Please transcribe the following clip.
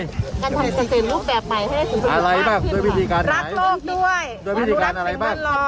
รูปแบบใหม่ข้าวอะไรบ้างด้วยพฤทธิการรักโลกด้วยด้วยพฤทธิการอะไรบ้าง